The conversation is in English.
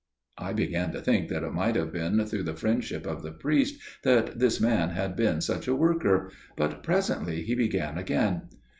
I began to think that it might have been through the friendship of the priest that this man had been such a worker. But presently he began again.